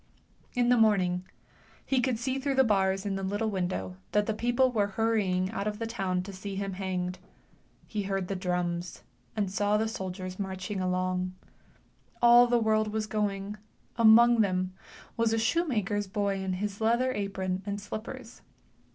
In the morning he could see through the bars in the little window that the people were hurrying out of the town to see him zed. He he^rd the drums, and the soldiers marching along. All the world was going; among them was a shoe maker's bov in his leather apron and slippers.